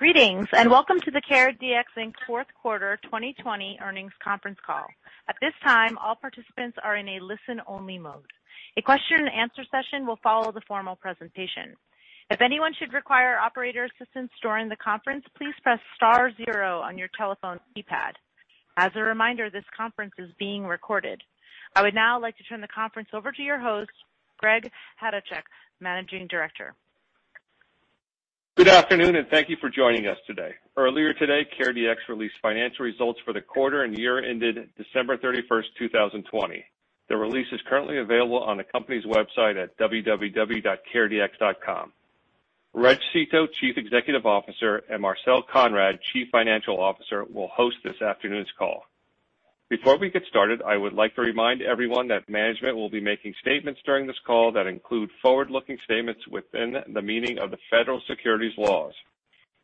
Greetings, and welcome to the CareDx, Inc. fourth quarter 2020 earnings conference Call. At this time, all participants are in a listen-only mode. A question-and-answer session will follow the formal presentation. I would now like to turn the conference over to your host, Greg Chodaczek, Managing Director. Good afternoon. Thank you for joining us today. Earlier today, CareDx released financial results for the quarter and year ended December 31st, 2020. The release is currently available on the company's website at www.caredx.com. Reg Seeto, Chief Executive Officer, and Marcel Konrad, Chief Financial Officer, will host this afternoon's call. Before we get started, I would like to remind everyone that management will be making statements during this call that include forward-looking statements within the meaning of the federal securities laws,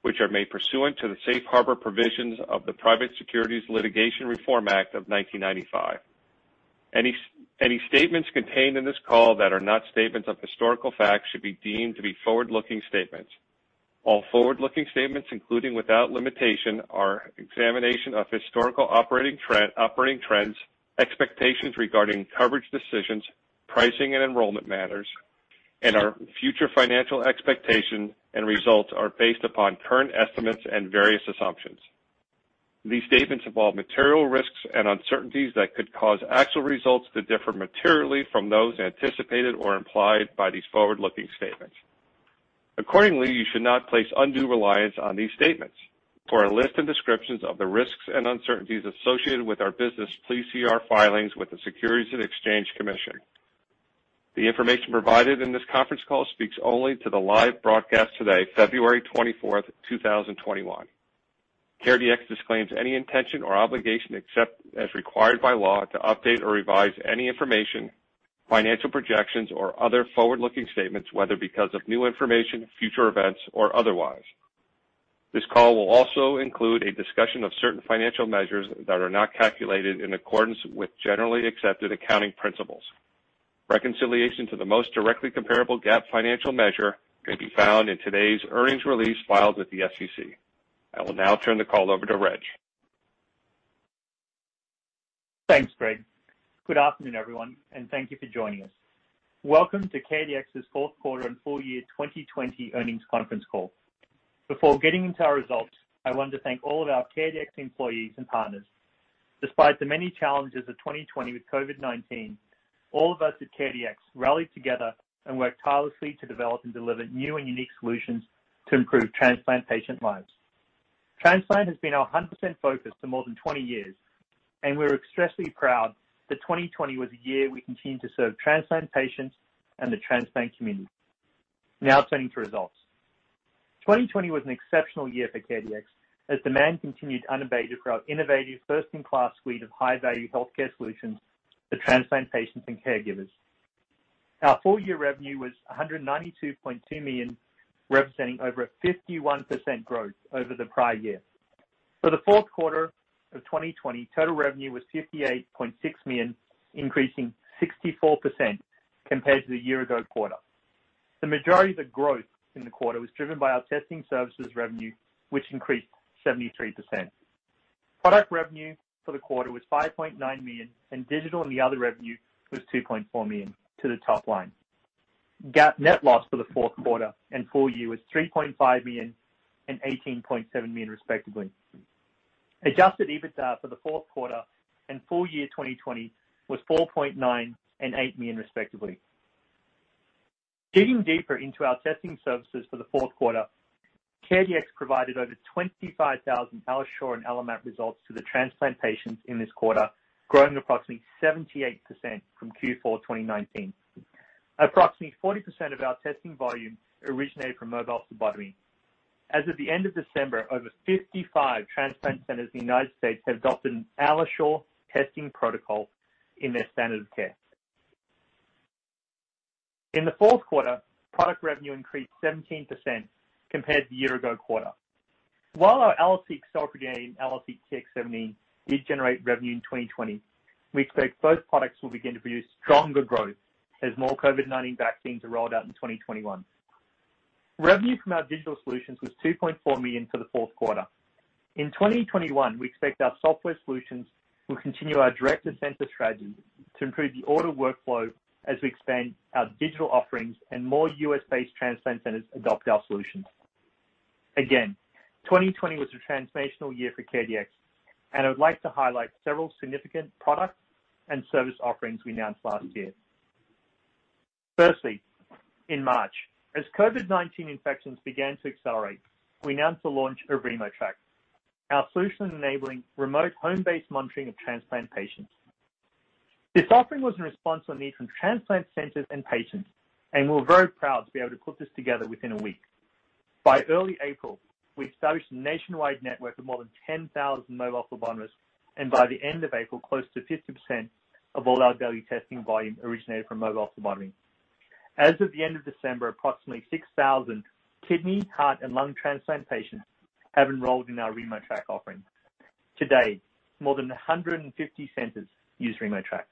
which are made pursuant to the Safe Harbor provisions of the Private Securities Litigation Reform Act of 1995. Any statements contained in this call that are not statements of historical fact should be deemed to be forward-looking statements. All forward-looking statements, including, without limitation, our examination of historical operating trends, expectations regarding coverage decisions, pricing and enrollment matters, and our future financial expectations and results, are based upon current estimates and various assumptions. These statements involve material risks and uncertainties that could cause actual results to differ materially from those anticipated or implied by these forward-looking statements. Accordingly, you should not place undue reliance on these statements. For a list and descriptions of the risks and uncertainties associated with our business, please see our filings with the Securities and Exchange Commission. The information provided in this conference call speaks only to the live broadcast today, February 24th, 2021. CareDx disclaims any intention or obligation, except as required by law, to update or revise any information, financial projections, or other forward-looking statements, whether because of new information, future events, or otherwise. This call will also include a discussion of certain financial measures that are not calculated in accordance with generally accepted accounting principles. Reconciliation to the most directly comparable GAAP financial measure can be found in today's earnings release filed with the SEC. I will now turn the call over to Reg. Thanks, Greg. Good afternoon, everyone. Thank you for joining us. Welcome to CareDx's fourth quarter and full year 2020 earnings conference call. Before getting into our results, I want to thank all of our CareDx employees and partners. Despite the many challenges of 2020 with COVID-19, all of us at CareDx rallied together and worked tirelessly to develop and deliver new and unique solutions to improve transplant patients' lives. Transplant has been our 100% focus for more than 20 years, and we're expressly proud that 2020 was a year we continued to serve transplant patients and the transplant community. Turning to results. 2020 was an exceptional year for CareDx as demand continued unabated for our innovative first-in-class suite of high-value healthcare solutions for transplant patients and caregivers. Our full-year revenue was $192.2 million, representing over 51% growth over the prior year. For the fourth quarter of 2020, total revenue was $58.6 million, increasing 64% compared to the year-ago quarter. The majority of the growth in the quarter was driven by our testing services revenue, which increased 73%. Product revenue for the quarter was $5.9 million, and digital and other revenue was $2.4 million to the top line. GAAP net loss for the fourth quarter and full year was $3.5 million and $18.7 million, respectively. Adjusted EBITDA for the fourth quarter and full year 2020 was $4.9 million and $8 million, respectively. Digging deeper into our testing services for the fourth quarter, CareDx provided over 25,000 AlloSure and AlloMap results to the transplant patients in this quarter, growing approximately 78% from Q4 2019. Approximately 40% of our testing volume originated from mobile phlebotomy. As of the end of December, over 55 transplant centers in the U.S. have adopted the AlloSure testing protocol in their standard of care. In the fourth quarter, product revenue increased 17% compared to the year-ago quarter. While our AlloSeq cell-free DNA and AlloSeq Tx 17 did generate revenue in 2020, we expect both products to begin to produce stronger growth as more COVID-19 vaccines are rolled out in 2021. Revenue from our digital solutions was $2.4 million for the fourth quarter. In 2021, we expect our software solutions to continue our direct-to-center strategy to improve the order workflow as we expand our digital offerings and more U.S.-based transplant centers adopt our solutions. 2020 was a transformational year for CareDx, and I would like to highlight several significant product and service offerings we announced last year. Firstly, in March, as COVID-19 infections began to accelerate, we announced the launch of RemoTraC, our solution enabling remote home-based monitoring of transplant patients. This offering was in response to a need from transplant centers and patients, and we're very proud to be able to put this together within a week. By early April, we established a nationwide network of more than 10,000 mobile phlebotomists, and by the end of April, close to 50% of all our daily testing volume originated from mobile phlebotomy. As of the end of December, approximately 6,000 kidney, heart, and lung transplant patients have enrolled in our RemoTraC offering. To date, more than 150 centers use RemoTraC.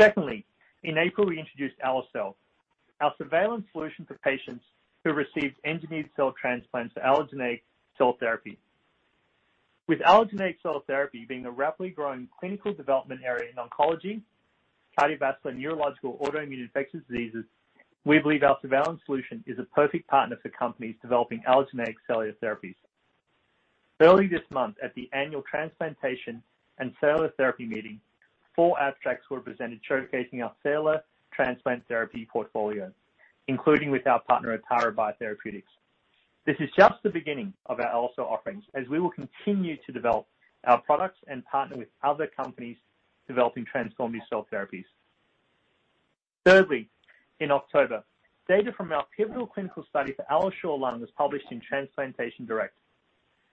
Secondly, in April, we introduced AlloCell, our surveillance solution for patients who have received engineered cell transplants to allogeneic cell therapy. With allogeneic cell therapy being a rapidly growing clinical development area in oncology, cardiovascular, neurological, autoimmune, and infectious diseases, we believe our surveillance solution is a perfect partner for companies developing allogeneic cellular therapies. Early this month, at the Annual Transplantation & Cellular Therapy Meetings, four abstracts were presented showcasing our cellular transplant therapy portfolio, including with our partner, Atara Biotherapeutics. This is just the beginning of our Allo offerings, as we will continue to develop our products and partner with other companies developing transformative cell therapies. Thirdly, in October, data from our pivotal clinical study for AlloSure Lung was published in Transplantation Direct.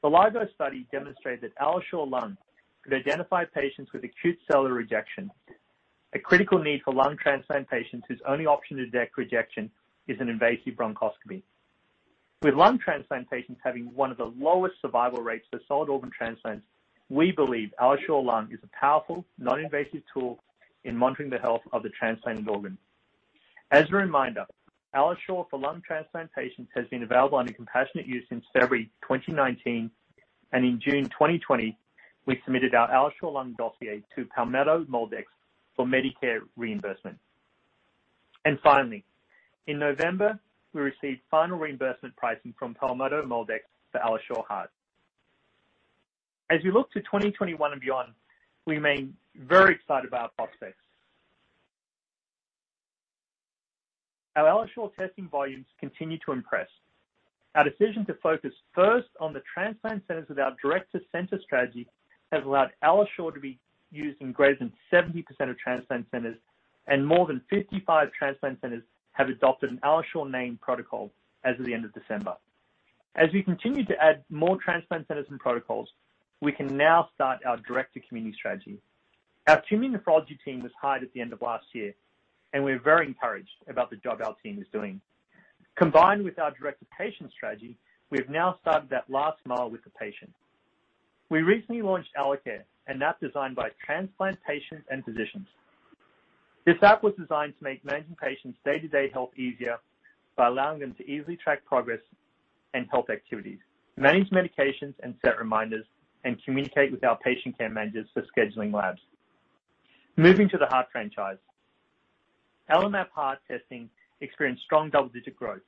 The LARGO study demonstrated that AlloSure Lung could identify patients with acute cellular rejection, a critical need for lung transplant patients whose only option to detect rejection is an invasive bronchoscopy. With lung transplant patients having one of the lowest survival rates for solid organ transplants, we believe AlloSure Lung is a powerful, non-invasive tool in monitoring the health of the transplanted organ. As a reminder, AlloSure for lung transplant patients has been available under compassionate use since February 2019, and in June 2020, we submitted our AlloSure Lung dossier to Palmetto MolDx for Medicare reimbursement. Finally, in November, we received final reimbursement pricing from Palmetto MolDx for AlloSure Heart. As we look to 2021 and beyond, we remain very excited about our prospects. Our AlloSure testing volumes continue to impress. Our decision to focus first on the transplant centers with our direct-to-center strategy has allowed AlloSure to be used in greater than 70% of transplant centers, and more than 55 transplant centers have adopted an AlloSure-named protocol as of the end of December. As we continue to add more transplant centers and protocols, we can now start our direct-to-community strategy. Our community nephrology team was hired at the end of last year, and we're very encouraged about the job our team is doing. Combined with our direct-to-patient strategy, we have now started the last mile with the patient. We recently launched AlloCare, an app designed by transplant patients and physicians. This app was designed to make managing patients' day-to-day health easier by allowing them to easily track progress and health activities, manage medications, set reminders, and communicate with our Patient Care Managers for scheduling labs. Moving to the heart franchise. AlloMap Heart testing experienced strong double-digit growth.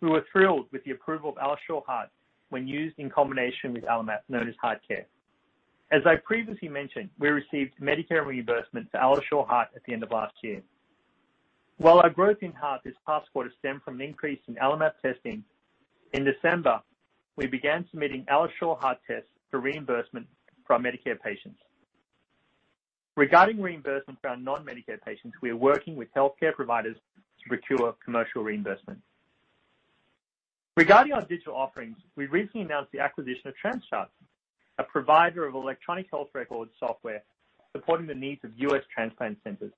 We were thrilled with the approval of AlloSure Heart when used in combination with AlloMap, known as HeartCare. As I previously mentioned, we received Medicare reimbursement for AlloSure Heart at the end of last year. While our growth in heart this past quarter stemmed from an increase in AlloMap testing, in December, we began submitting AlloSure Heart tests for reimbursement for our Medicare patients. Regarding reimbursement for our non-Medicare patients, we are working with healthcare providers to procure commercial reimbursement. Regarding our digital offerings, we recently announced the acquisition of TransChart, a provider of electronic health records software supporting the needs of U.S. transplant centers.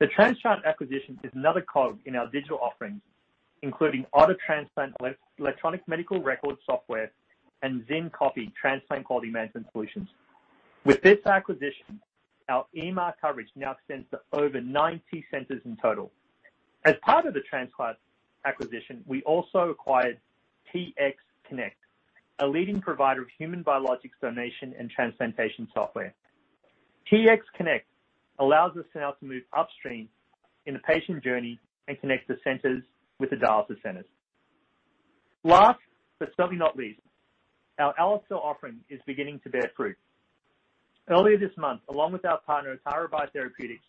The TransChart acquisition is another cog in our digital offerings, including Ottr electronic medical record software and XynQAPI transplant quality management solutions. With this acquisition, our EMR coverage now extends to over 90 centers in total. As part of the TransChart acquisition, we also acquired TX Connect, a leading provider of human biologics donation and transplantation software. TX Connect allows us now to move upstream in the patient journey and connect the centers with the dialysis centers. Last, but certainly not least, our AlloCell offering is beginning to bear fruit. Earlier this month, along with our partner, Atara Biotherapeutics,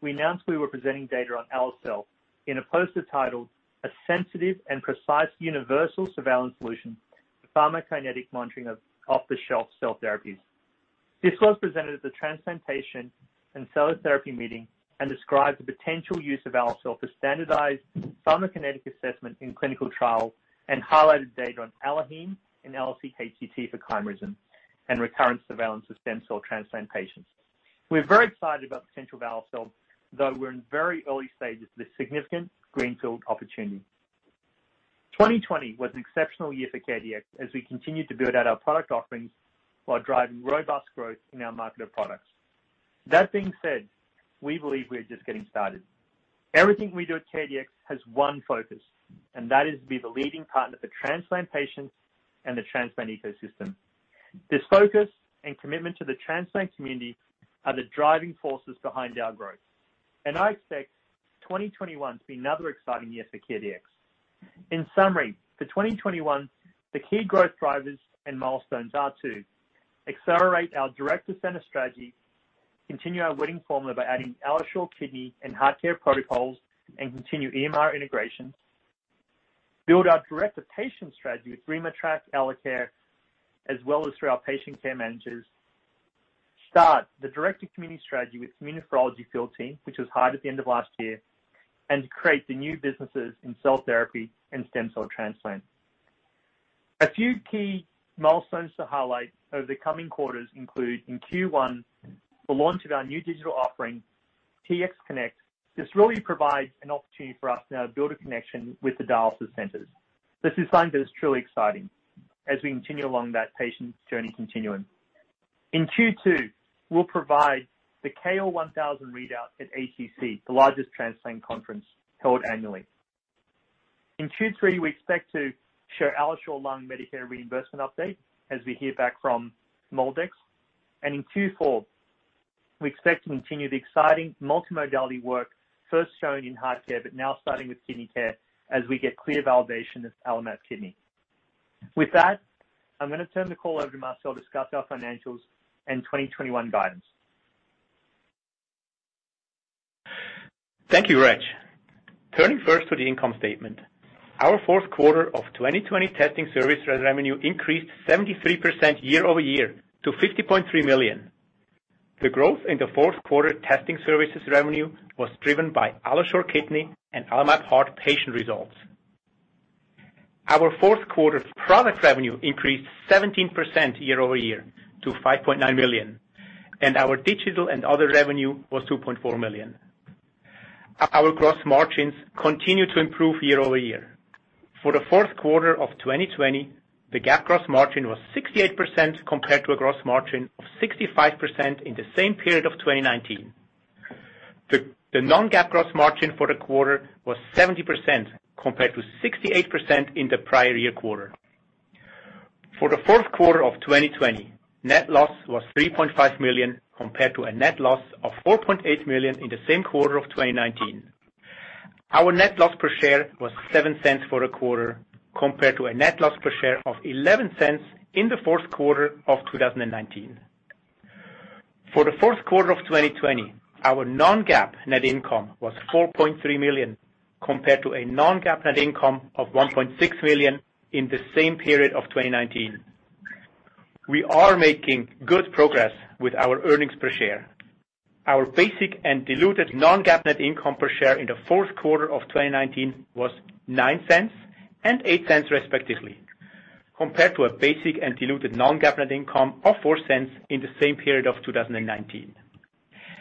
we announced we were presenting data on AlloCell in a poster titled "A Sensitive and Precise Universal Surveillance Solution to Pharmacokinetic Monitoring of Off-the-Shelf Cell Therapies." This was presented at the Transplantation & Cellular Therapy Meetings and describes the potential use of AlloCell for standardized pharmacokinetic assessment in clinical trials and highlights data on AlloHeme and AlloSeq HCT for chimerism and recurrent surveillance of stem cell transplant patients. We're very excited about the potential of AlloCell, though we're in the very early stages of this significant greenfield opportunity. 2020 was an exceptional year for CareDx as we continued to build out our product offerings while driving robust growth in our marketable products. That being said, we believe we are just getting started. Everything we do at CareDx has one focus: to be the leading partner for transplant patients and the transplant ecosystem. This focus and commitment to the transplant community are the driving forces behind our growth. I expect 2021 to be another exciting year for CareDx. In summary, for 2021, the key growth drivers and milestones are to accelerate our direct-to-center strategy, continue our winning formula by adding AlloSure Kidney and HeartCare protocols, continue EMR integration, build our direct-to-patient strategy with RemoTraC, AlloCare, as well as through our patient care managers, start the direct-to-community strategy with the community nephrology field team, which was hired at the end of last year, and create the new businesses in cell therapy and stem cell transplant. A few key milestones to highlight over the coming quarters include, in Q1, the launch of our new digital offering, TX Connect. This really provides an opportunity for us now to build a connection with the dialysis centers. This is something that is truly exciting. As we continue along that patient journey continuum. In Q2, we'll provide the KOAR-1000 readout at ATC, the largest transplant conference held annually. In Q3, we expect to share the AlloSure Lung Medicare reimbursement update as we hear back from MolDx. In Q4, we expect to continue the exciting multimodality work first shown in HeartCare, but now starting with KidneyCare as we get clear validation of AlloMap Kidney. With that, I'm going to turn the call over to Marcel to discuss our financials and 2021 guidance. Thank you, Reg. Turning first to the income statement. Our fourth quarter of 2020 testing service revenue increased 73% year-over-year to $50.3 million. The growth in the fourth quarter testing services revenue was driven by AlloSure Kidney and AlloMap Heart patient results. Our fourth quarter product revenue increased 17% year-over-year to $5.9 million, and our digital and other revenue was $2.4 million. Our gross margins continue to improve year-over-year. For the fourth quarter of 2020, the GAAP gross margin was 68% compared to a gross margin of 65% in the same period of 2019. The non-GAAP gross margin for the quarter was 70% compared to 68% in the prior year quarter. For the fourth quarter of 2020, net loss was $3.5 million compared to a net loss of $4.8 million in the same quarter of 2019. Our net loss per share was $0.07 for the quarter, compared to a net loss per share of $0.11 in the fourth quarter of 2019. For the fourth quarter of 2020, our non-GAAP net income was $4.3 million, compared to a non-GAAP net income of $1.6 million in the same period of 2019. We are making good progress with our earnings per share. Our basic and diluted non-GAAP net income per share in the fourth quarter of 2019 was $0.09 and $0.08, respectively, compared to a basic and diluted non-GAAP net income of $0.04 in the same period of 2019.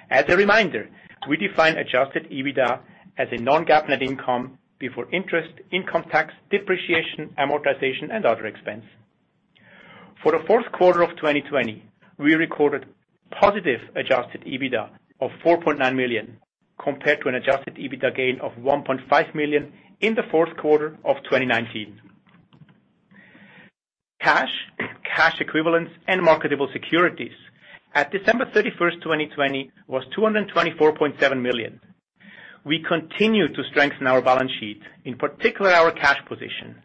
As a reminder, we define Adjusted EBITDA as a non-GAAP net income before interest, income tax, depreciation, amortization, and other expenses. For the fourth quarter of 2020, we recorded positive Adjusted EBITDA of $4.9 million, compared to an Adjusted EBITDA gain of $1.5 million in the fourth quarter of 2019. Cash, cash equivalents, and marketable securities at December 31st, 2020, were $224.7 million. We continue to strengthen our balance sheet, in particular our cash position.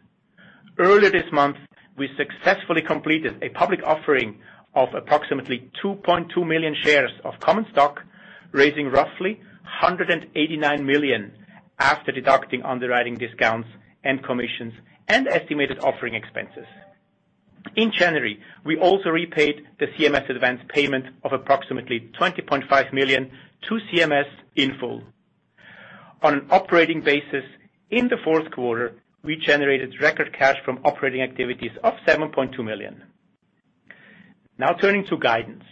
Earlier this month, we successfully completed a public offering of approximately 2.2 million shares of common stock, raising roughly $189 million after deducting underwriting discounts and commissions and estimated offering expenses. In January, we also repaid the CMS advance payment of approximately $20.5 million to CMS in full. On an operating basis, in the fourth quarter, we generated record cash from operating activities of $7.2 million. Turning to guidance.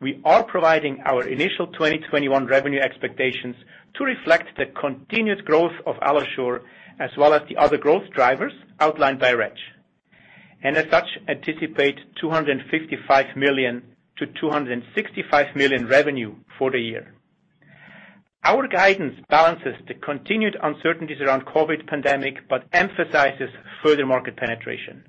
We are providing our initial 2021 revenue expectations to reflect the continued growth of AlloSure, as well as the other growth drivers outlined by Reg, and as such, anticipate $255 million-$265 million in revenue for the year. Our guidance balances the continued uncertainties around the COVID pandemic but emphasizes further market penetration.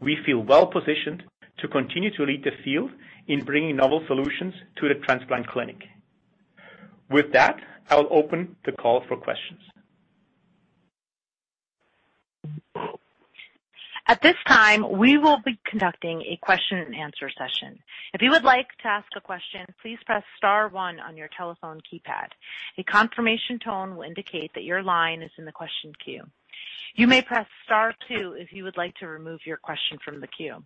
We feel well-positioned to continue to lead the field in bringing novel solutions to the transplant clinic. With that, I will open the call for questions. At this time, we will be conducting a question-and-answer session. If you would like to ask a question, please press star one on your telephone keypad. The confirmation tone indicates your line is in the question to you; you may press star two if you would like to remove your question from the queue.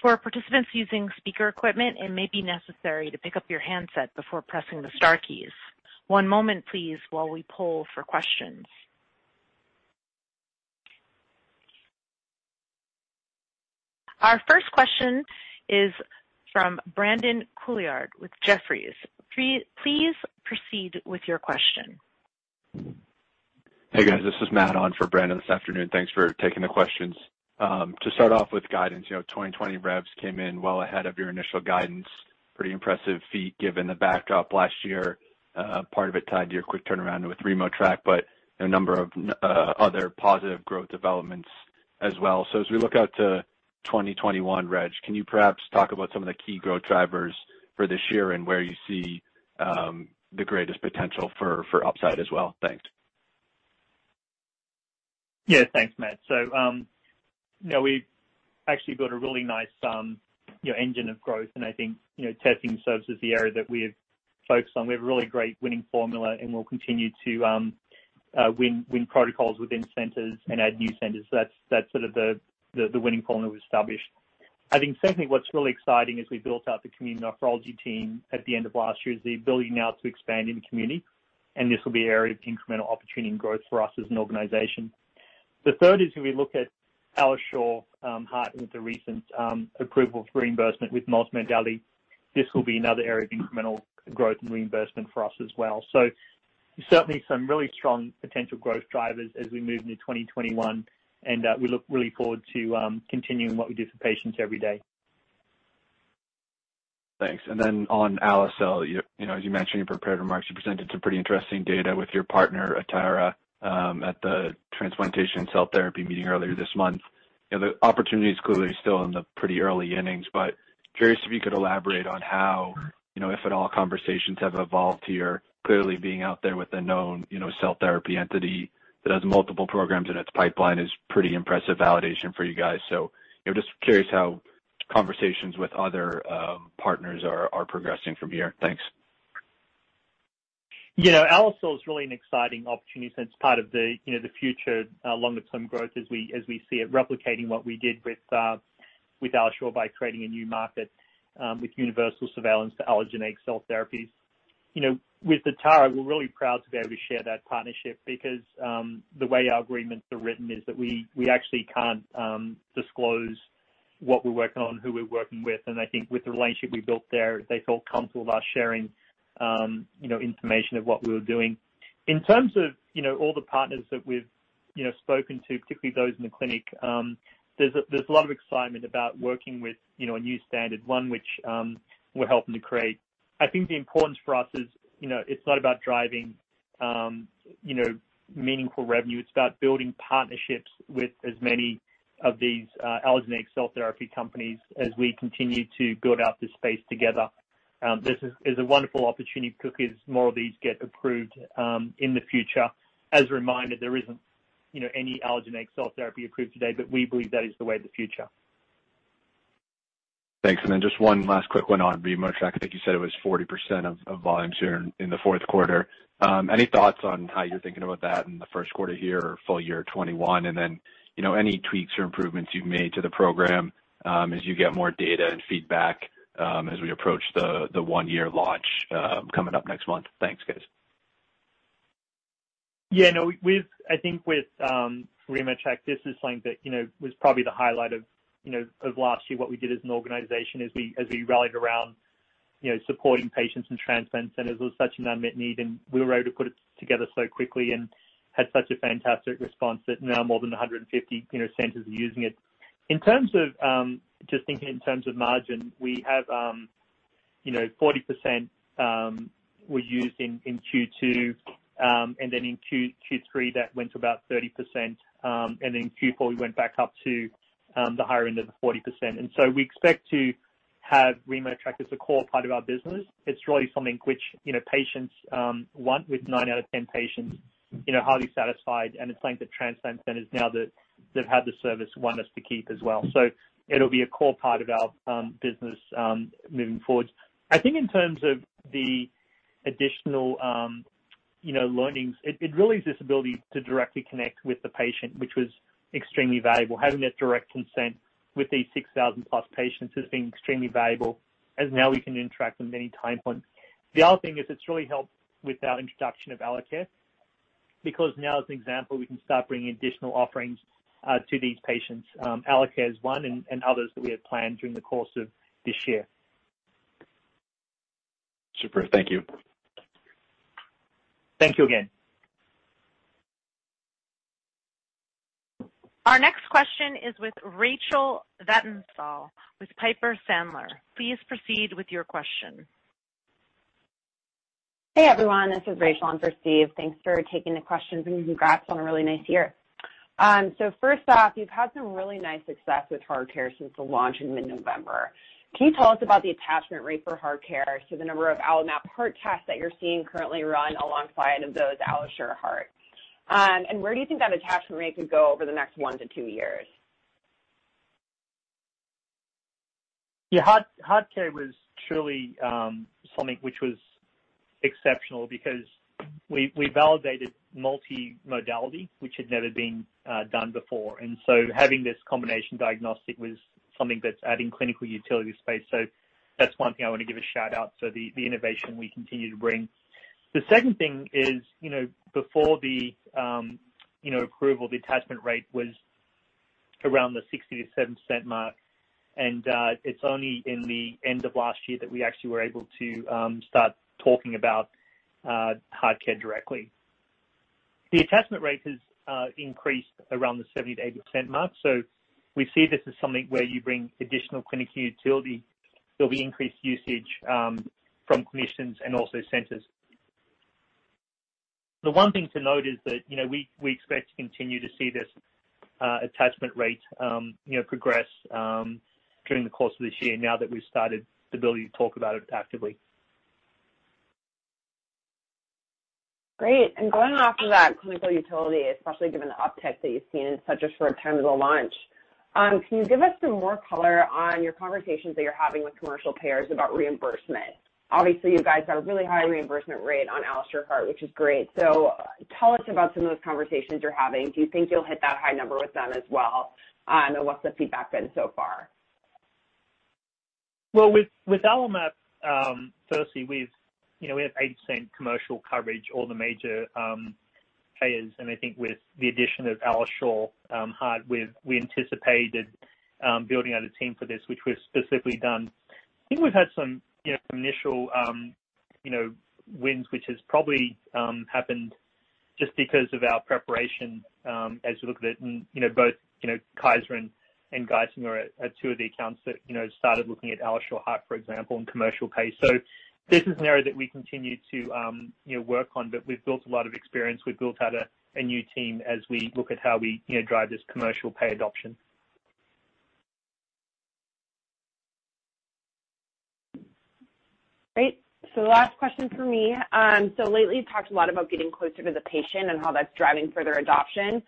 For participants using speaker equipment, and maybe necessary to pick up your handset before pressing the star keys. One moment, please, while we poll for the question. Our first question is from Brandon Couillard with Jefferies. Please proceed with your question. Hey, guys. This is Matt on for Brandon this afternoon. Thanks for taking the questions. To start off with guidance, 2020 revs came in well ahead of your initial guidance. Pretty impressive feat given the backdrop last year. Part of it is tied to your quick turnaround with RemoTraC, but a number of other positive growth developments as well. As we look out to 2021, Reg, can you perhaps talk about some of the key growth drivers for this year and where you see the greatest potential for upside as well? Thanks. Yeah. Thanks, Matt. We actually built a really nice engine of growth, and I think testing serves as the area that we have focused on. We have a really great winning formula, and we'll continue to win protocols within centers and add new centers. That's sort of the winning formula we established. I think secondly, what's really exciting is we built out the community nephrology team at the end of last year, is the ability now to expand in the community, and this will be an area of incremental opportunity and growth for us as an organization. The third is when we look at AlloSure Heart with the recent approval for reimbursement with multimodality. This will be another area of incremental growth and reimbursement for us as well. Certainly, some really strong potential growth drivers as we move into 2021, and we look really forward to continuing what we do for patients every day. Thanks. Then on AlloSure, as you mentioned in your prepared remarks, you presented some pretty interesting data with your partner Atara at the Transplantation & Cellular Therapy Meetings earlier this month. The opportunity is clearly still in the pretty early innings, but curious if you could elaborate on how, if at all, conversations have evolved here. Clearly, being out there with a known cell therapy entity that has multiple programs in its pipeline is pretty impressive validation for you guys. Just curious how conversations with other partners are progressing from here. Thanks. Yeah. AlloSure is really an exciting opportunity since part of the future longer-term growth, as we see it replicating what we did with AlloSure by creating a new market with universal surveillance for allogeneic cell therapies. With Atara, we're really proud to be able to share that partnership because the way our agreements are written is that we actually can't disclose what we're working on or who we're working with. I think with the relationship we built there, they felt comfortable about sharing information about what we were doing. In terms of all the partners that we've spoken to, particularly those in the clinic, there's a lot of excitement about working with a new standard, one which we're helping to create. I think the importance for us is that it's not about driving meaningful revenue. It's about building partnerships with as many of these allogeneic cell therapy companies as we continue to build out this space together. This is a wonderful opportunity because more of these get approved in the future. As a reminder, there isn't any allogeneic cell therapy approved today, but we believe that is the way of the future. Thanks. Just one last quick one on RemoTraC. I think you said it was 40% of volumes here in the fourth quarter. Any thoughts on how you're thinking about that in the first quarter here or full year 2021? Any tweaks or improvements you've made to the program as you get more data and feedback as we approach the one-year launch coming up next month? Thanks, guys. Yeah. I think with RemoTraC, this is something that was probably the highlight of last year, what we did as an organization, as we rallied around supporting patients in transplant centers. There was such an unmet need, and we were able to put it together so quickly and had such a fantastic response that now more than 150 centers are using it. In terms of just thinking in terms of margin, we have 40% we used in Q2, and then in Q3, that went to about 30%, and in Q4, we went back up to the higher end of the 40%. We expect to have RemoTraC as a core part of our business. It's really something which patients want, with nine out of 10 patients highly satisfied. It's something that transplant centers, now that they've had the service, want us to keep as well. It'll be a core part of our business moving forward. I think in terms of the additional learnings, it really is this ability to directly connect with the patient, which was extremely valuable. Having that direct consent with these 6,000 plus patients has been extremely valuable as now we can interact with many time points. The other thing is it's really helped with our introduction of AlloCare, because now, as an example, we can start bringing additional offerings to these patients. AlloCare is one, and others that we have planned during the course of this year. Super. Thank you. Thank you again. Our next question is with Rachel Vatnsdal with Piper Sandler. Please proceed with your question. Hey, everyone. This is Rachel on for Steve, thanks for taking the questions, and congrats on a really nice year. First off, you've had some really nice success with HeartCare since the launch in mid-November. Can you tell us about the attachment rate for HeartCare to the number of AlloMap heart tests that you're seeing currently run alongside those AlloSure Heart? Where do you think that attachment rate could go over the next one to two years? Yeah. HeartCare was truly something which was exceptional because we validated multimodality, which had never been done before. Having this combination diagnostic was something that added clinical utility space. That's one thing I want to give a shout-out to, so the innovation we continue to bring. The second thing is, before the approval, the attachment rate was around the 60%-70% mark, and it's only at the end of last year that we were actually able to start talking about HeartCare directly. The attachment rate has increased around the 70%-80% mark. We see this as something where you bring additional clinical utility; there'll be increased usage from clinicians and also centers. The one thing to note is that we expect to continue to see this attachment rate progress during the course of this year, now that we've started the ability to talk about it actively. Great. Going off of that clinical utility, especially given the uptick that you've seen in such a short time as a launch, can you give us some more color on your conversations that you're having with commercial payers about reimbursement? Obviously, you guys have a really high reimbursement rate on AlloSure Heart, which is great. Tell us about some of those conversations you're having. Do you think you'll hit that high number with them as well? What's the feedback been so far? Well, with AlloMap, firstly, we have 80% commercial coverage, all the major payers. I think with the addition of AlloSure Heart, we anticipated building out a team for this, which was specifically done. I think we've had some initial wins, which have probably happened just because of our preparation as we look at it. Both Kaiser and Geisinger are two of the accounts that started looking at AlloSure Heart, for example, and commercial pay. This is an area that we continue to work on, but we've built a lot of experience. We've built out a new team as we look at how we drive this commercial pay adoption. Great. The last question from me. Lately, you talked a lot about getting closer to the patient and how that's driving further adoption.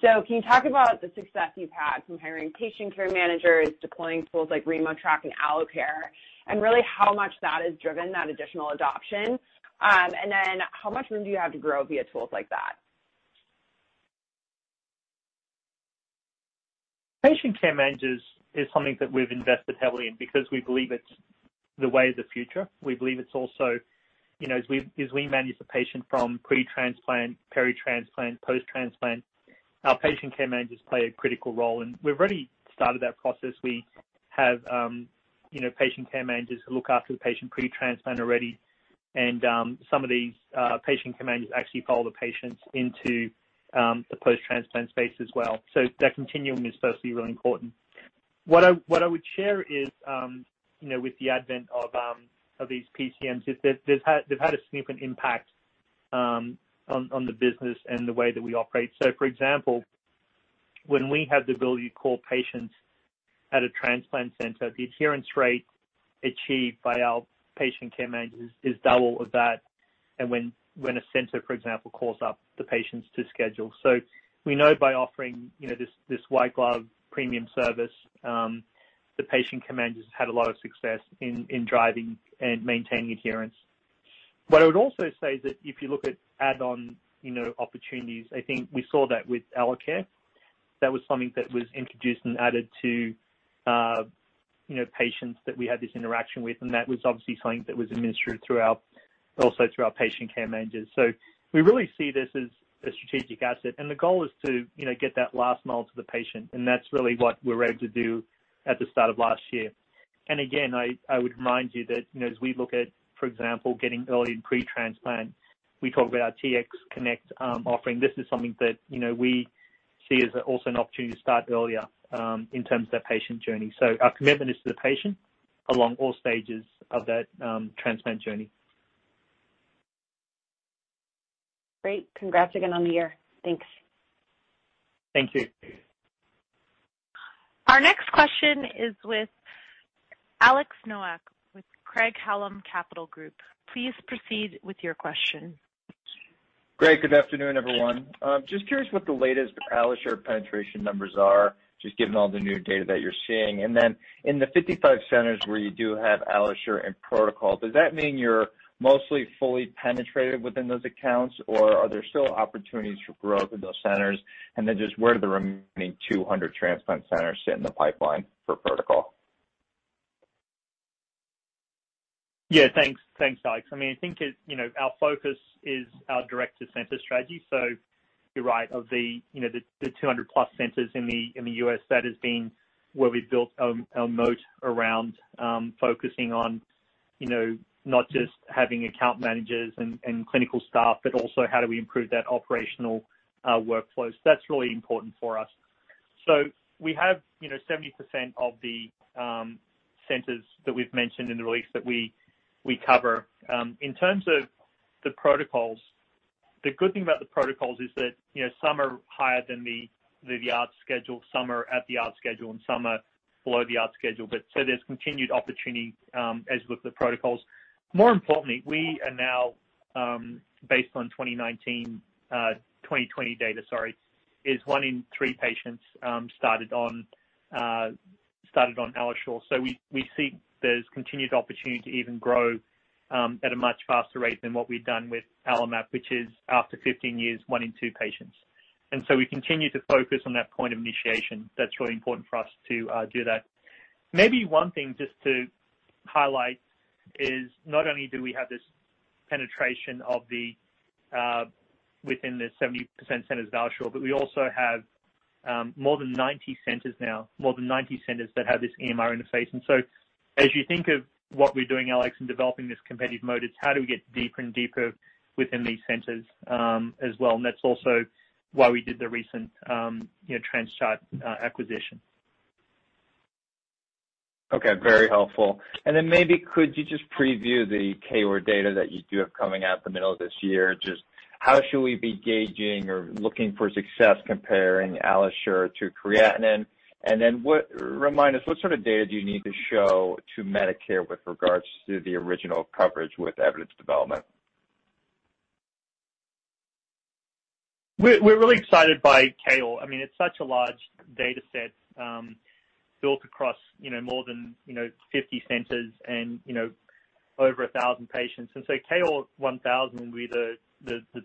Can you talk about the success you've had from hiring patient care managers, deploying tools like RemoTraC and AlloCare, and really how much that has driven that additional adoption? How much room do you have to grow via tools like that? Patient care managers are something that we've invested heavily in because we believe it's the way of the future. We believe it's also, as we manage the patient from pre-transplant, peri-transplant, and post-transplant, our patient care managers play a critical role. We've already started that process. We have patient care managers who look after the patient pre-transplant already. Some of these patient care managers actually follow the patients into the post-transplant space as well. That continuum is, firstly, really important. What I would share is that, with the advent of these PCMs, they've had a significant impact on the business and the way that we operate. For example, when we have the ability to call patients at a transplant center, the adherence rate achieved by our patient care managers is double that of when a center, for example, calls up the patients to schedule. We know that by offering this white-glove premium service, the patient care managers had a lot of success in driving and maintaining adherence. What I would also say is that if you look at add-on opportunities, I think we saw that with AlloCare. That was something that was introduced and added to patients that we had this interaction with, and that was obviously something that was administered also through our patient care managers. We really see this as a strategic asset, and the goal is to get that last mile to the patient, and that's really what we were able to do at the start of last year. Again, I would remind you that as we look at, for example, getting early in pre-transplant, we talk about our TX Connect offering. This is something that we see as also an opportunity to start earlier in terms of that patient journey. Our commitment is to the patient at all stages of that transplant journey. Great. Congrats again on the year. Thanks. Thank you. Our next question is with Alex Nowak with Craig-Hallum Capital Group. Please proceed with your question. Great. Good afternoon, everyone. Just curious what the latest AlloSure penetration numbers are, just given all the new data that you're seeing. In the 55 centers where you do have AlloSure in protocol, does that mean you're mostly fully penetrated within those accounts, or are there still opportunities for growth in those centers? Just where do the remaining 200 transplant centers sit in the pipeline for protocol? Yeah. Thanks, Alex. I think our focus is our direct-to-center strategy. You're right. Of the 200-plus centers in the U.S., that has been where we've built our moat around focusing on not just having account managers and clinical staff, but also how we improve those operational workflows. That's really important for us. We have 70% of the centers that we've mentioned in the release that we cover. In terms of the protocols, the good thing about the protocols is that some are higher than the odd schedule, some are at the odd schedule, and some are below the odd schedule. There's continued opportunity as with the protocols. More importantly, we are now, based on 2019 2020 data, sorry, one in three patients started on AlloSure. We see there's continued opportunity to even grow at a much faster rate than what we've done with AlloMap, which is after 15 years, one in two patients. We continue to focus on that point of initiation. That's really important for us to do that. Maybe one thing just to highlight is that not only do we have this penetration within the 70% centers of AlloSure, but we also have more than 90 centers now, more than 90 centers that have this EMR interface. As you think of what we're doing, Alex, in developing this competitive mode, it's how we get deeper and deeper within these centers as well, and that's also why we did the recent TransChart acquisition. Okay. Very helpful. Maybe you could just preview the KOAR data that you do have coming out in the middle of this year? Just how should we be gauging or looking for success, comparing AlloSure to creatinine? Remind us what sort of data you need to show to Medicare with regard to the original Coverage with Evidence Development? We're really excited by KOAR. It's such a large data set built across more than 50 centers and over 1,000 patients. KOAR-1000 will be the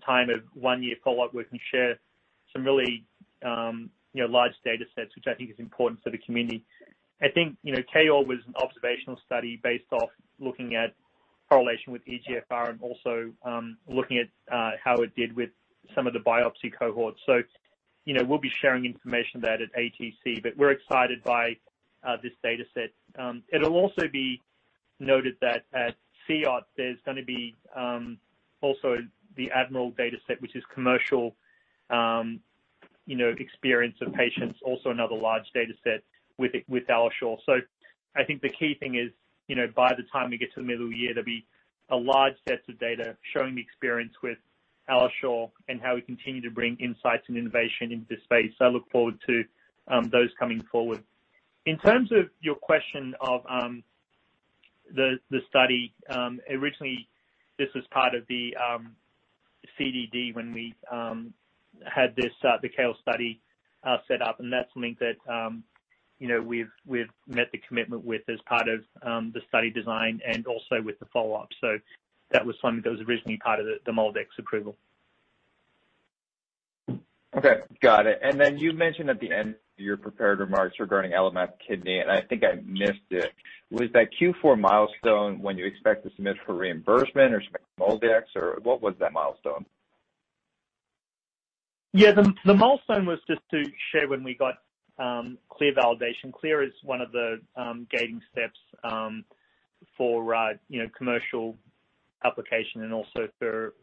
time of a one-year follow-up, we can share some really large data sets, which I think is important for the community. I think KOAR was an observational study based on looking at the correlation with eGFR and also looking at how it did with some of the biopsy cohorts. We'll be sharing information there at ATC, but we're excited by this data set. It'll also be noted that at SIOP, there's going to be the ADMIRAL data set, which is the commercial experience of patients, and also another large data set with AlloSure. I think the key thing is, by the time we get to the middle of the year, there'll be a large set of data showing the experience with AlloSure and how we continue to bring insights and innovation into this space. I look forward to those coming forward. In terms of your question about the study, originally this was part of the CED when we had the KOAR study set up, and that's something that we've met the commitment with as part of the study design and also with the follow-up. That was something that was originally part of the MolDx approval. Okay. Got it. You mentioned at the end of your prepared remarks regarding AlloMap Kidney, and I think I missed it. Was that Q4 milestone when you expect to submit for reimbursement or submit to MolDx, or what was that milestone? Yeah, the milestone was just to share when we got CLIA validation. CLIA is one of the gating steps for commercial application and also for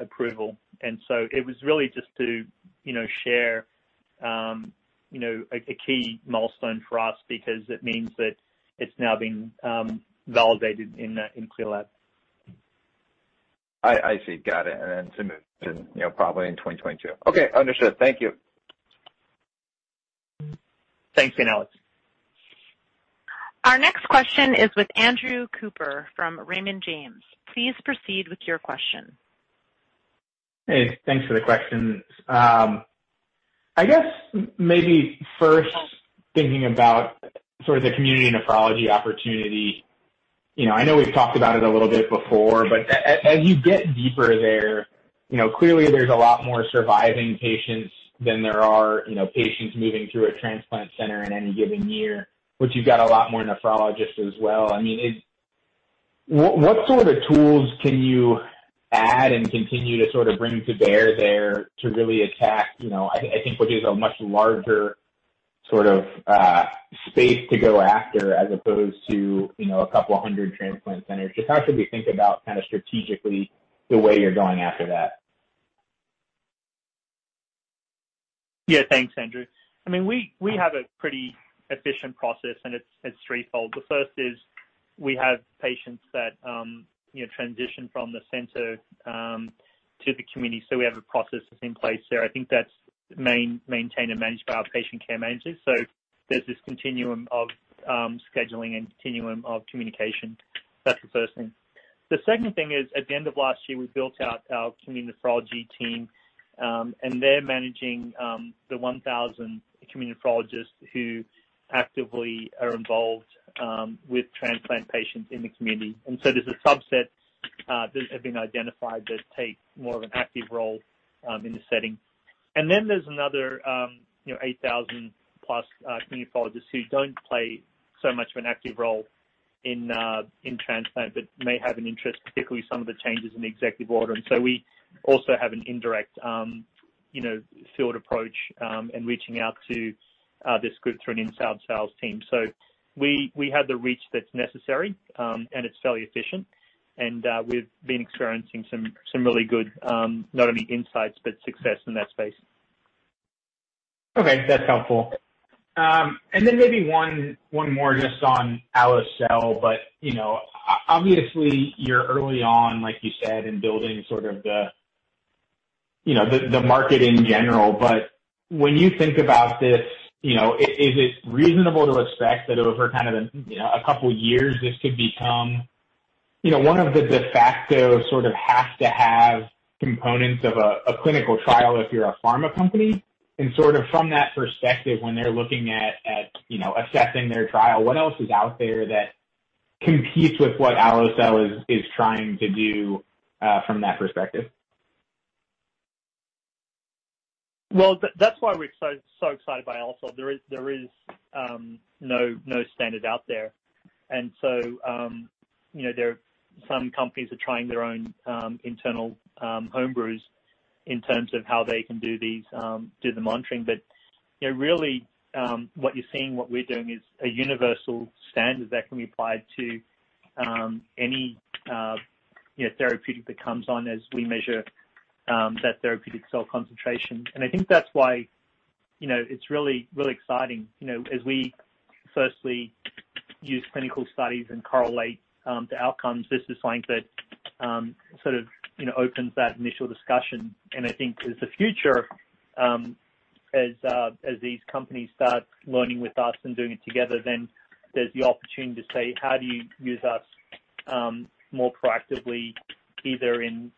approval. It was really just to share a key milestone for us because it means that it's now been validated in the CLIA lab. I see. Got it. Then sbmit probably in 2022. Okay, understood. Thank you. Thanks, Alex. Our next question is with Andrew Cooper from Raymond James. Please proceed with your question. Hey, thanks for the questions. I guess maybe first thinking about sort of the community nephrology opportunity. I know we've talked about it a little bit before, but as you get deeper there, clearly there's a lot more surviving patients than there are patients moving through a transplant center in any given year. You've got a lot more nephrologists as well. What sort of tools can you add and continue to sort of bring to bear there to really attack, I think, what is a much larger sort of space to go after as opposed to a couple of 100 transplant centers? How should we think about the kind of strategy you're going after? Thanks, Andrew. We have a pretty efficient process, and it's threefold. The first is that we have patients who transition from the center to the community. We have a process in place there. I think that's maintained and managed by our Patient Care Managers. There's this continuum of scheduling and a continuum of communication. That's the first thing. The second thing is, at the end of last year, we built out our community nephrology team, and they're managing the 1,000 community nephrologists who are actively involved with transplant patients in the community. There's a subset that has been identified that takes more of an active role in the setting. Then there's another 8,000 plus community nephrologists who don't play so much of an active role in transplant but may have an interest, particularly some of the changes in the executive order. We also have an indirect field approach, in reaching out to this group through an inside sales team. We have the reach that's necessary, and it's fairly efficient. We've been experiencing some really good, not only insights, but also success in that space. Okay. That's helpful. Then maybe one more just on AlloCell, but obviously you're early on, like you said, in building sort of the market in general. When you think about this, is it reasonable to expect that over kind of a couple of years, this could become one of the de facto sort of have-to-have components of a clinical trial if you're a pharma company? Sort of from that perspective, when they're looking at assessing their trial, what else is out there that competes with what AlloCell is trying to do from that perspective? Well, that's why we're so excited by AlloCell. There is no standard out there. Some companies are trying their own internal home brews in terms of how they can do the monitoring. Really, what you're seeing, what we're doing, is a universal standard that can be applied to any therapeutic that comes on as we measure that therapeutic cell concentration. I think that's why it's really exciting, as we firstly use clinical studies and correlate the outcomes, this is something that sort of opens that initial discussion. I think, in the future, as these companies start learning with us and doing it together, there's the opportunity to say. How do you use us more proactively, either in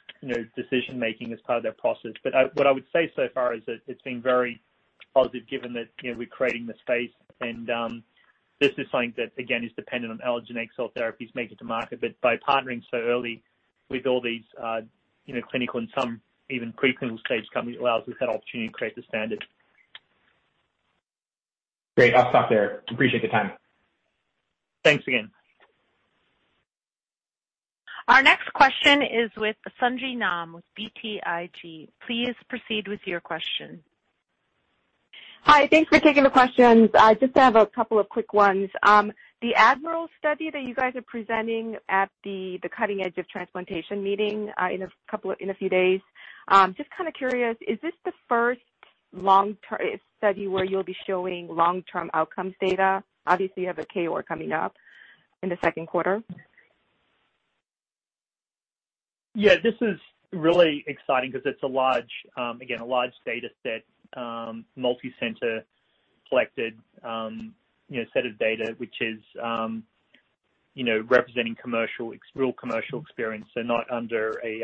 decision-making or as part of that process? What I would say so far is that it's been very positive, given that we're creating the space and this is something that, again, is dependent on allogeneic cell therapies making it to market. By partnering so early with all these clinical and some even pre-clinical stage companies, we have the opportunity to create the standard. Great. I'll stop there. Appreciate the time. Thanks again. Our next question is with Sung Ji Nam with BTIG. Please proceed with your question. Hi. Thanks for taking the questions. I just have a couple of quick ones. The ADMIRAL study that you guys are presenting at the Cutting Edge of Transplantation meeting in a few days- just kind of curious- is this the first long-term study where you'll be showing long-term outcomes data? Obviously, you have a KOAR coming up in the second quarter. Yeah, this is really exciting because it's, again, a large data set, a multi-center collected set of data, which represents real commercial experience and not under a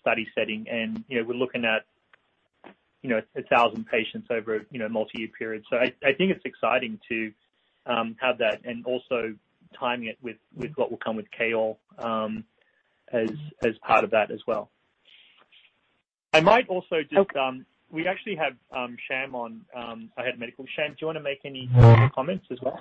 study setting. We're looking at 1,000 patients over a multi-year period. I think it's exciting to have that and also to time it with what will come with KOAR as part of that as well. Okay. We actually have Sham on, our head of medical. Sham, do you want to make any comments as well?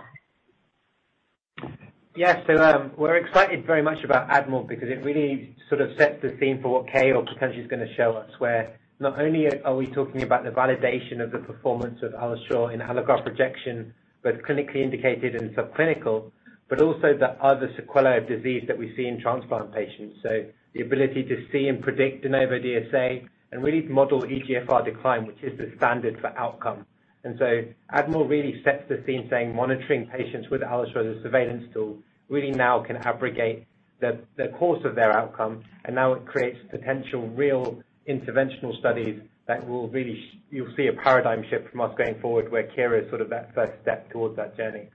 Yes. We're very excited about ADMIRAL because it really sort of sets the scene for what KOAR potentially is going to show us, where not only are we talking about the validation of the performance of AlloSure and allograft rejection, both clinically indicated and subclinical, but also the other sequelae of disease that we see in transplant patients. The ability to see and predict de novo DSA, and really model eGFR decline, which is the standard for outcome. ADMIRAL really sets the scene, saying monitoring patients with AlloSure as a surveillance tool really now can abrogate the course of their outcome, and now it creates potential real interventional studies that you'll see a paradigm shift from us going forward, where CareDx is sort of that first step towards that journey.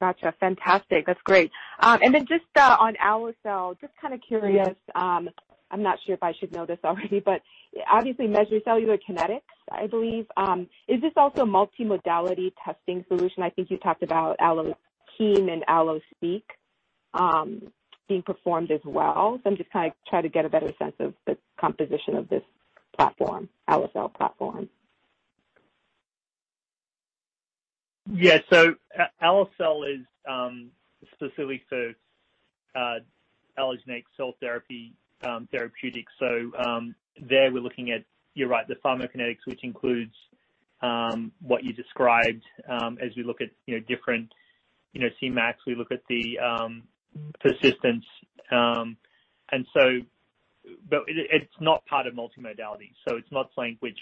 Got you. Fantastic. That's great. Then, just on AlloCell, just kind of curious, I'm not sure if I should know this already, but obviously measure cellular kinetics, I believe. Is this also a multi-modality testing solution? I think you talked about AlloMap and AlloSure being performed as well. I'm just trying to get a better sense of the composition of this AlloCell platform. Yeah. AlloCell is specifically for allogeneic cell therapy therapeutics. There we're looking at, you're right, the pharmacokinetics, which includes what you described as we look at different Cmax, we look at the persistence. It's not part of multi-modality. It's not something which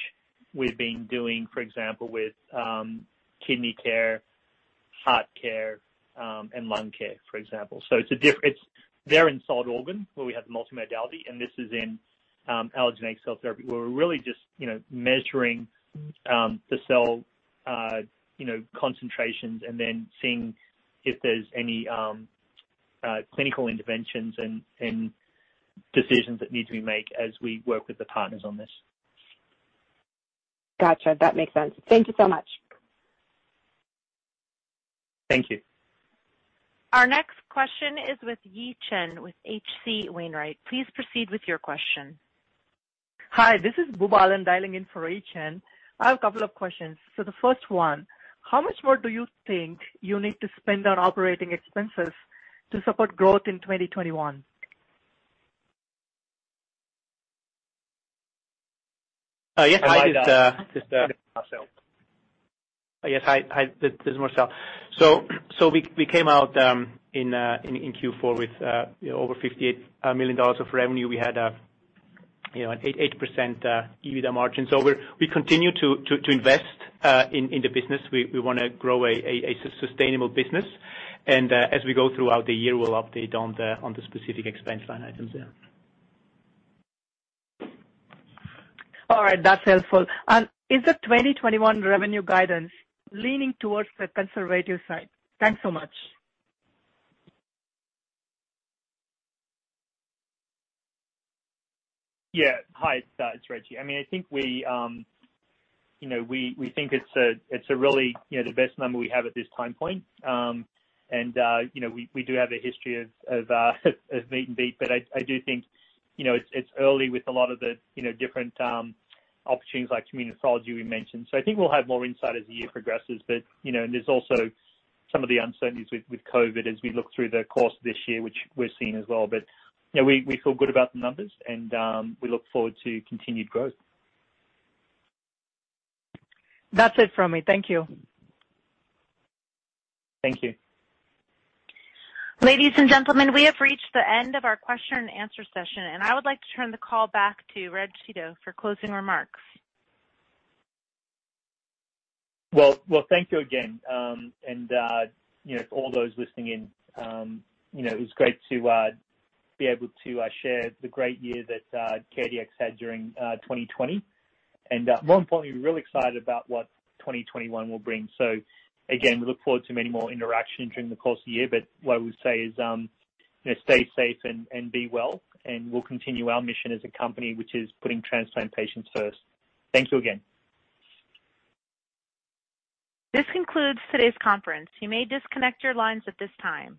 we've been doing, for example, with KidneyCare, HeartCare, and LungCare, for example. They're in solid organs where we have the multi-modality, and this is in allogeneic cell therapy, where we're really just measuring the cell concentrations and then seeing if there's any clinical interventions and decisions that need to be made as we work with the partners on this. Got you. That makes sense. Thank you so much. Thank you. Our next question is with Yi Chen, with H.C. Wainwright. Please proceed with your question. Hi, this is Boobalan dialing in for Yi Chen. I have a couple of questions. The first one: how much more do you think you need to spend on operating expenses to support growth in 2021? Yes. Hi, this is Marcel. We came out in Q4 with over $58 million of revenue. We had an 8% EBITDA margin. We continue to invest in the business. We want to grow a sustainable business, and as we go throughout the year, we'll update on the specific expense line items, yeah. All right. That's helpful. Is the 2021 revenue guidance leaning towards the conservative side? Thanks so much. Yeah. Hi, it's Reg. I think it's really the best number we have at this time point. We do have a history of meet and beat, but I do think it's early with a lot of the different opportunities, like community nephrology we mentioned. I think we'll have more insight as the year progresses. There's also some of the uncertainties with COVID-19 as we look through the course of this year, which we're seeing as well. We feel good about the numbers, and we look forward to continued growth. That's it from me. Thank you. Thank you. Ladies and gentlemen, we have reached the end of our question-and-answer session, and I would like to turn the call back to Reg Seeto for closing remarks. Well, thank you again. All those listening in, it was great to be able to share the great year that CareDx had during 2020. More importantly, we're really excited about what 2021 will bring. Again, we look forward to many more interactions during the course of the year. What I would say is stay safe and be well, and we'll continue our mission as a company, which is putting transplant patients first. Thank you again. This concludes today's conference. You may disconnect your lines at this time.